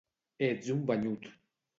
Ets un banyut